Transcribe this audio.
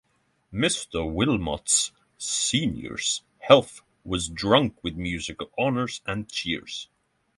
Mr. Willmott's senior's health was drunk with musical honors and cheers.